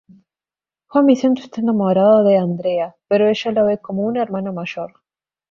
Juan Vicente está enamorado de Andrea, pero ella lo ve como un hermano mayor.